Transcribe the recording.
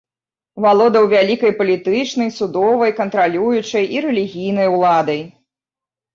Валодаў вялікай палітычнай, судовай, кантралюючай і рэлігійнай уладай.